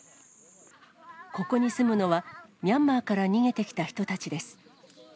ここに住むのは、ミャンマーから逃げてきた人たちです。